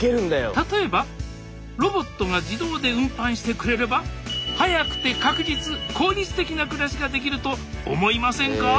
例えばロボットが自動で運搬してくれればな暮らしができると思いませんか？